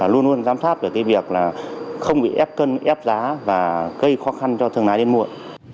luôn luôn giám sát về cái việc là không bị ép cân ép giá và gây khó khăn cho thương lái đến muộn